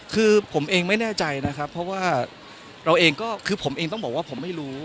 คือผมเองไม่แน่ใจนะครับเพราะว่าเราเองก็คือผมเองต้องบอกว่าผมไม่รู้